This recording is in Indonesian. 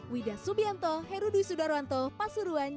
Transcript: wida subianto herudwi sudarwanto pasuruan